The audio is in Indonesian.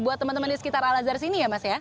buat teman teman di sekitar al azhar sini ya mas ya